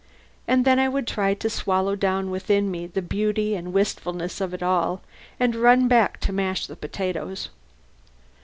And then I would try to swallow down within me the beauty and wistfulness of it all, and run back to mash the potatoes.